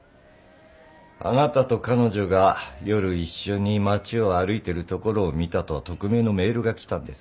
あなたと彼女が夜一緒に街を歩いてるところを見たと匿名のメールが来たんです。